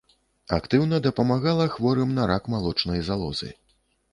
Актыўна дапамагала хворым на рак малочнай залозы.